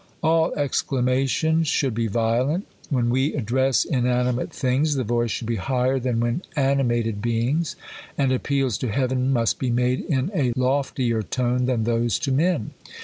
All exclamations should be violent. When we ad dress inanimate things, the voice should be higher than when animated beings ; and appeals to Heaven must be made in a loftier tone than those to men.